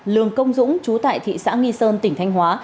lường công dũng chú tại thị xã nghi sơn tỉnh thanh hóa